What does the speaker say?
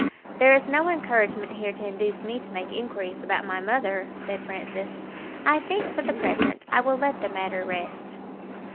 "There is no encouragement here to induce me to make inquiries about my mother," said Francis. "I think, for the present, I will let the matter rest."